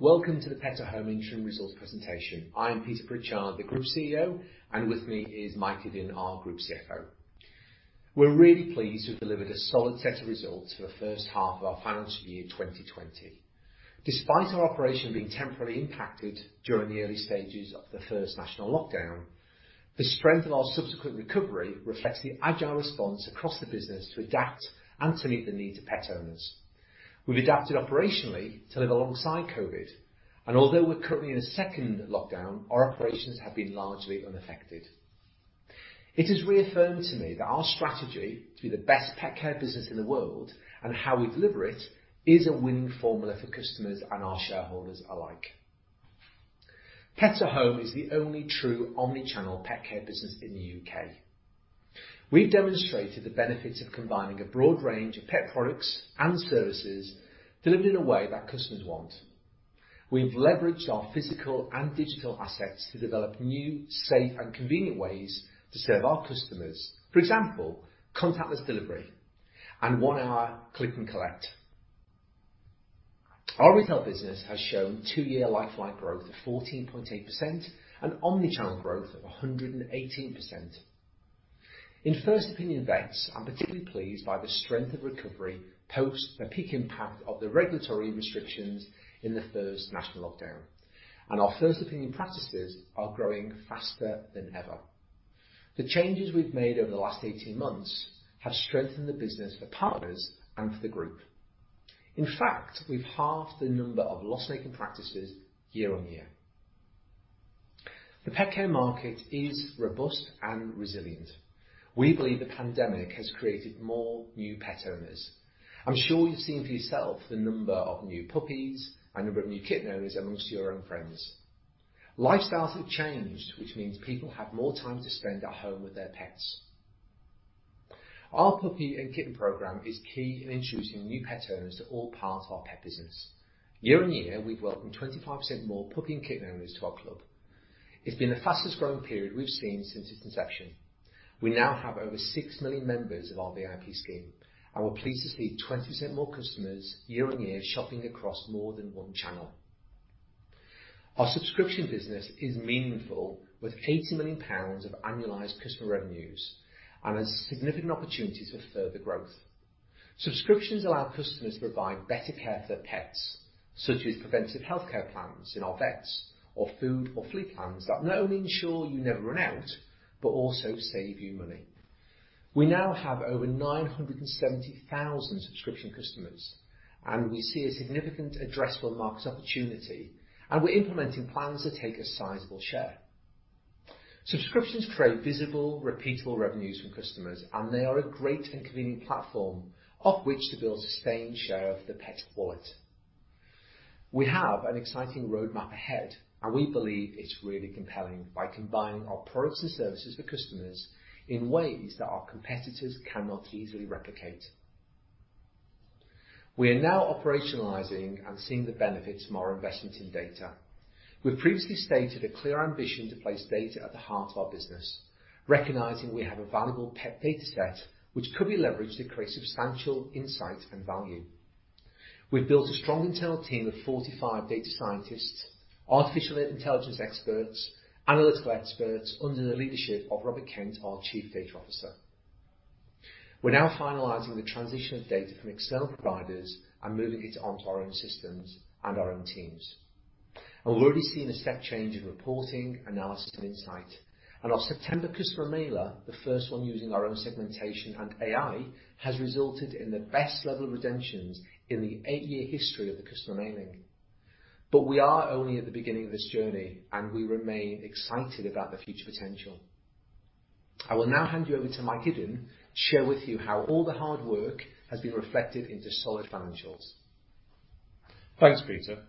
Welcome to the Pets at Home interim results presentation. I'm Peter Pritchard, the Group CEO, and with me is Mike Iddon, our Group CFO. We're really pleased we've delivered a solid set of results for the first half of our financial year 2020. Despite our operation being temporarily impacted during the early stages of the first national lockdown, the strength of our subsequent recovery reflects the agile response across the business to adapt and to meet the needs of pet owners. We've adapted operationally to live alongside COVID, and although we're currently in a second lockdown, our operations have been largely unaffected. It has reaffirmed to me that our strategy to be the best pet care business in the world and how we deliver it is a winning formula for customers and our shareholders alike. Pets at Home is the only true omni-channel pet care business in the U.K. We've demonstrated the benefits of combining a broad range of pet products and services delivered in a way that customers want. We've leveraged our physical and digital assets to develop new, safe, and convenient ways to serve our customers. For example, contactless delivery and one-hour click and collect. Our retail business has shown two-year like-for-like growth of 14.8% and omni-channel growth of 118%. In First Opinion vets, I'm particularly pleased by the strength of recovery post the peak impact of the regulatory restrictions in the first national lockdown. Our First Opinion practices are growing faster than ever. The changes we've made over the last 18 months have strengthened the business for partners and for the group. In fact, we've halved the number of loss-making practices year on year. The pet care market is robust and resilient. We believe the pandemic has created more new pet owners. I'm sure you've seen for yourself the number of new puppies and number of new kitten owners amongst your own friends. Lifestyles have changed, which means people have more time to spend at home with their pets. Our puppy and kitten program is key in introducing new pet owners to all parts of our pet business. Year on year, we've welcomed 25% more puppy and kitten owners to our club. It's been the fastest growing period we've seen since its inception. We now have over six million members of our VIP scheme, and we're pleased to see 20% more customers year on year shopping across more than one channel. Our subscription business is meaningful with 80 million pounds of annualized customer revenues and has significant opportunities for further growth. Subscriptions allow customers to provide better care for their pets, such as preventive healthcare plans in our vets or food or flea plans that not only ensure you never run out but also save you money. We now have over 970,000 subscription customers, and we see a significant addressable market opportunity, and we're implementing plans to take a sizable share. Subscriptions create visible, repeatable revenues from customers, and they are a great and convenient platform of which to build sustained share of the pet wallet. We have an exciting roadmap ahead, and we believe it's really compelling by combining our products and services for customers in ways that our competitors cannot easily replicate. We are now operationalizing and seeing the benefits from our investment in data. We've previously stated a clear ambition to place data at the heart of our business, recognizing we have a valuable pet data set which could be leveraged to create substantial insight and value. We've built a strong internal team of 45 data scientists, artificial intelligence experts, analytical experts under the leadership of Robert Kent, our Chief Data Officer. We're now finalizing the transition of data from external providers and moving it onto our own systems and our own teams. We're already seeing a step change in reporting, analysis and insight. Our September customer mailer, the first one using our own segmentation and AI, has resulted in the best level of redemptions in the eight-year history of the customer mailing. We are only at the beginning of this journey, and we remain excited about the future potential. I will now hand you over to Mike Iddon to share with you how all the hard work has been reflected into solid financials. Thanks, Peter.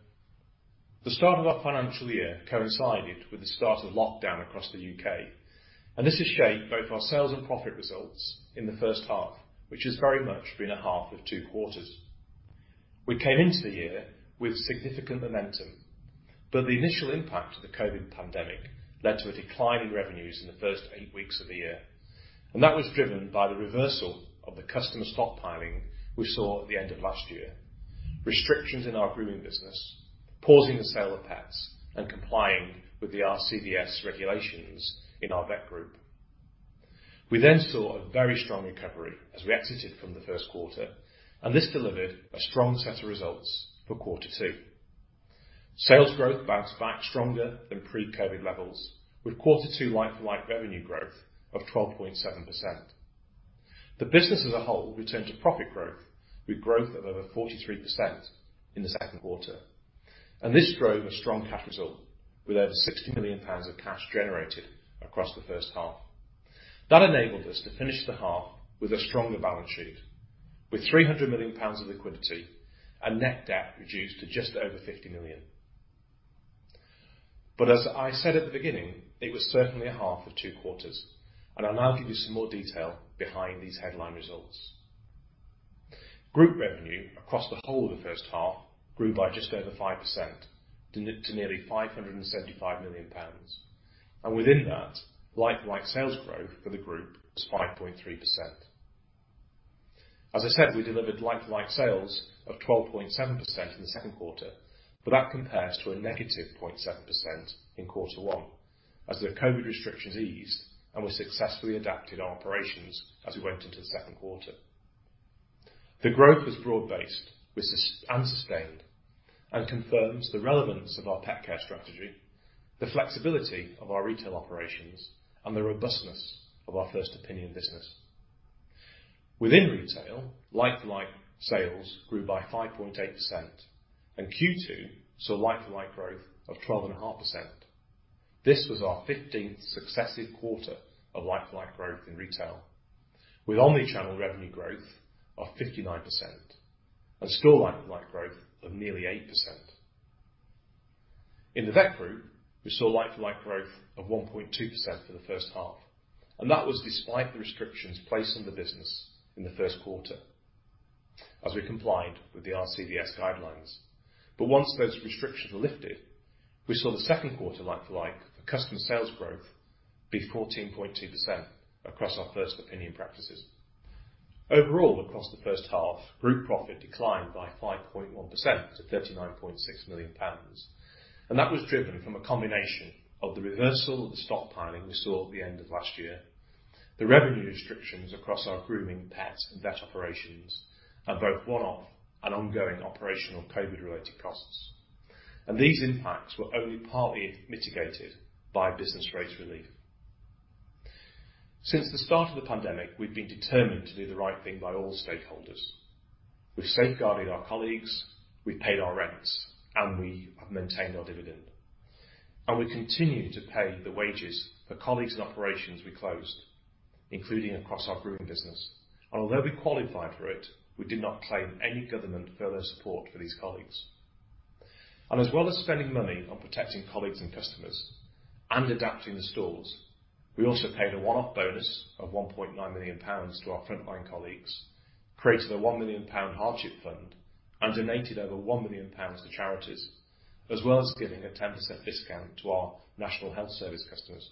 The start of our financial year coincided with the start of lockdown across the U.K. This has shaped both our sales and profit results in the first half, which has very much been a half of two quarters. We came into the year with significant momentum. The initial impact of the COVID pandemic led to a decline in revenues in the first eight weeks of the year. That was driven by the reversal of the customer stockpiling we saw at the end of last year, restrictions in our grooming business, pausing the sale of pets, and complying with the RCVS regulations in our vet group. We then saw a very strong recovery as we exited from the first quarter. This delivered a strong set of results for quarter two. Sales growth bounced back stronger than pre-COVID levels with quarter two like-for-like revenue growth of 12.7%. The business as a whole returned to profit growth with growth of over 43% in the second quarter. This drove a strong cash result with over 60 million pounds of cash generated across the first half. That enabled us to finish the half with a stronger balance sheet with 300 million pounds of liquidity and net debt reduced to just over 50 million. As I said at the beginning, it was certainly a half of two quarters, and I'll now give you some more detail behind these headline results. Group revenue across the whole of the first half grew by just over 5% to nearly 575 million pounds. Within that, like-for-like sales growth for the group was 5.3%. As I said, we delivered like-for-like sales of 12.7% in the second quarter, that compares to a negative 0.7% in quarter one as the COVID restrictions eased and we successfully adapted our operations as we went into the second quarter. The growth was broad-based and sustained and confirms the relevance of our pet care strategy, the flexibility of our retail operations, and the robustness of our First Opinion business. Within retail, like-for-like sales grew by 5.8%, Q2 saw like-for-like growth of 12.5%. This was our 15th successive quarter of like-for-like growth in retail with omni-channel revenue growth of 59% and store like-for-like growth of nearly 8%. In the vet group, we saw like-for-like growth of 1.2% for the first half, and that was despite the restrictions placed on the business in the first quarter as we complied with the RCVS guidelines. Once those restrictions were lifted, we saw the second quarter like-for-like for customer sales growth be 14.2% across our First Opinion practices. Overall, across the first half, group profit declined by 5.1% to 39.6 million pounds, and that was driven from a combination of the reversal of the stockpiling we saw at the end of last year, the revenue restrictions across our grooming, pet, and vet operations, and both one-off and ongoing operational COVID-related costs. These impacts were only partly mitigated by business rate relief. Since the start of the pandemic, we've been determined to do the right thing by all stakeholders. We've safeguarded our colleagues, we've paid our rents, and we have maintained our dividend, and we continue to pay the wages for colleagues in operations we closed, including across our grooming business. Although we qualify for it, we did not claim any government furlough support for these colleagues. As well as spending money on protecting colleagues and customers and adapting the stores, we also paid a one-off bonus of 1.9 million pounds to our frontline colleagues, created a 1 million pound hardship fund, and donated over 1 million pounds to charities, as well as giving a 10% discount to our National Health Service customers.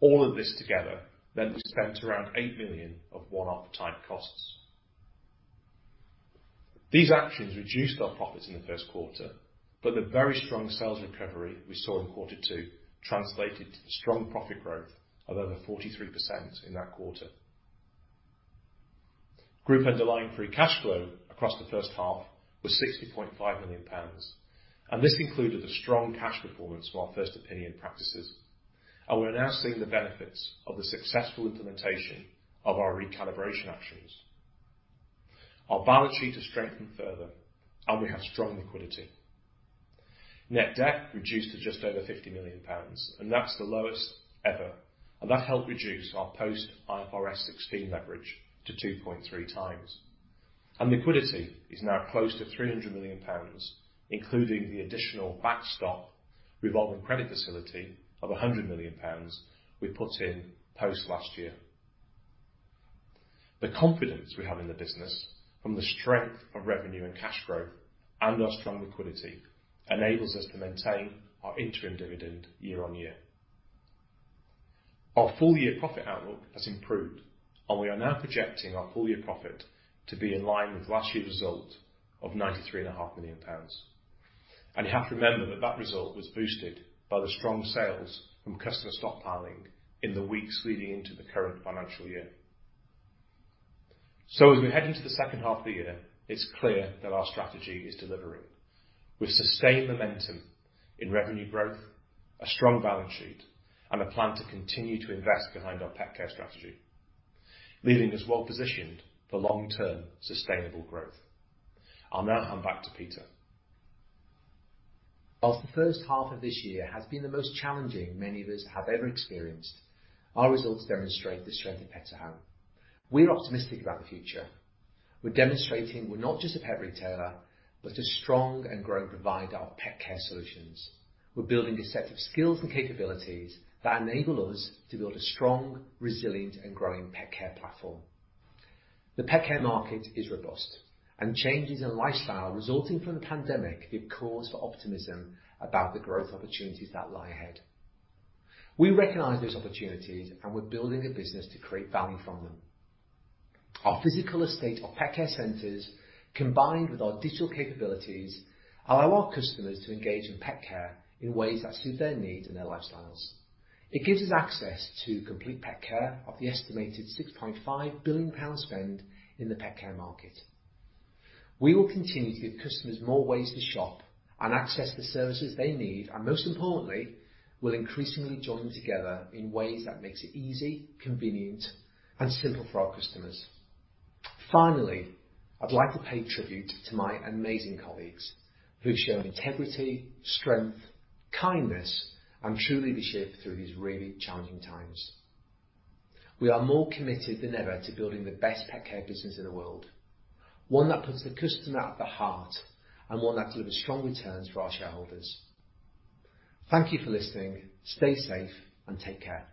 All of this together meant we spent around 8 million of one-off type costs. These actions reduced our profits in the first quarter, but the very strong sales recovery we saw in quarter two translated to strong profit growth of over 43% in that quarter. Group underlying free cash flow across the first half was 60.5 million pounds. This included the strong cash performance from our First Opinion practices. We're now seeing the benefits of the successful implementation of our recalibration actions. Our balance sheet has strengthened further, and we have strong liquidity. Net debt reduced to just over 50 million pounds, and that's the lowest ever, and that helped reduce our post IFRS 16 leverage to 2.3 times. Liquidity is now close to 300 million pounds, including the additional backstop revolving credit facility of 100 million pounds we put in post last year. The confidence we have in the business from the strength of revenue and cash growth and our strong liquidity enables us to maintain our interim dividend year on year. Our full year profit outlook has improved. We are now projecting our full year profit to be in line with last year's result of 93.5 million pounds. You have to remember that that result was boosted by the strong sales from customer stockpiling in the weeks leading into the current financial year. As we head into the second half of the year, it's clear that our strategy is delivering with sustained momentum in revenue growth, a strong balance sheet, and a plan to continue to invest behind our pet care strategy, leaving us well positioned for long-term sustainable growth. I'll now hand back to Peter. Whilst the first half of this year has been the most challenging many of us have ever experienced, our results demonstrate the strength of Pets at Home. We're optimistic about the future. We're demonstrating we're not just a pet retailer, but a strong and growing provider of pet care solutions. We're building a set of skills and capabilities that enable us to build a strong, resilient, and growing pet care platform. Changes in lifestyle resulting from the pandemic give cause for optimism about the growth opportunities that lie ahead. We recognize those opportunities, and we're building a business to create value from them. Our physical estate of Pet Care Centres, combined with our digital capabilities, allow our customers to engage in pet care in ways that suit their needs and their lifestyles. It gives us access to complete pet care of the estimated 6.5 billion pound spend in the pet care market. We will continue to give customers more ways to shop and access the services they need, and most importantly, we'll increasingly join together in ways that makes it easy, convenient, and simple for our customers. Finally, I'd like to pay tribute to my amazing colleagues who've shown integrity, strength, kindness, and truly be shaped through these really challenging times. We are more committed than ever to building the best pet care business in the world, one that puts the customer at the heart and one that delivers strong returns for our shareholders. Thank you for listening. Stay safe and take care.